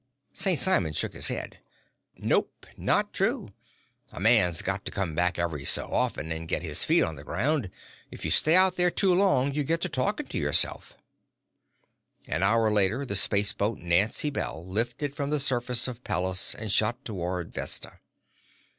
St. Simon shook his head. "Nope. Not true. A man's got to come back every so often and get his feet on the ground. If you stay out there too long, you get to talking to yourself." An hour later, the spaceboat Nancy Bell lifted from the surface of Pallas and shot toward Vesta.